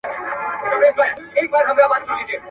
تېرې پېښې د تاریخ پوهانو لخوا څېړل سوې دي.